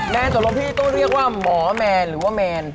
แมนสำหรับพี่ต้องเรียกว่าหมอแมล์หรือแมน